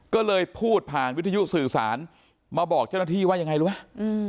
ก็เลยพูดผ่านวิทยุสื่อสารมาบอกเจ้าหน้าที่ว่ายังไงรู้ไหม